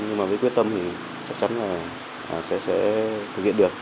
nhưng mà với quyết tâm thì chắc chắn là sẽ thực hiện được